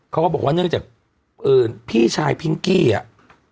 เขาก็บอกว่าเนื่องจากพี่ชายพิงกี้อ่ะ